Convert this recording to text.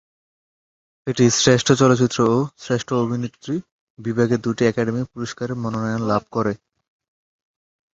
এটি শ্রেষ্ঠ চলচ্চিত্র ও শ্রেষ্ঠ অভিনেত্রী বিভাগে দুটি একাডেমি পুরস্কারের মনোনয়ন লাভ করে।